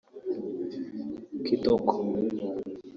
Kitoko